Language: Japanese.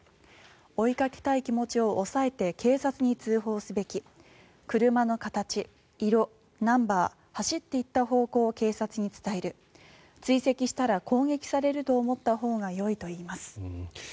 追いかけたい気持ちを抑えて警察に通報すべき車の形、色、ナンバー走っていった方向を警察に伝える追跡したら攻撃されると思ったほうがよいといいます。